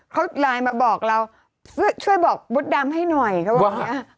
เขาไลน์มาบอกเราช่วยบอกมดดำให้หน่อยเขาบอกอย่างนี้